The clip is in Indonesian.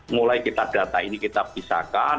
mulai kita data ini kita pisahkan